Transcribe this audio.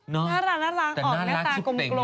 น่ารักสเป็นหน้าหลัก